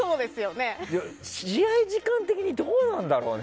試合時間的にどうなんだろうね。